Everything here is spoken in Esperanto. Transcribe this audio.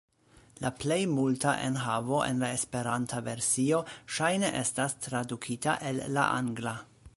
La plej multa enhavo en la Esperanta versio ŝajne estas tradukita el la angla.